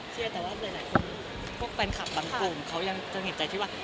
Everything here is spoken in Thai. แต่ว่าหลายคนพวกแฟนคลับบางกลุ่มเขายังจะเห็นใจที่ว่า